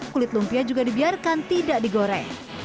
kulit lumpia juga dibiarkan tidak digoreng